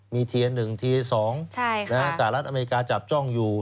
มีเทียน๑ที๒สหรัฐอเมริกาจับจ้องอยู่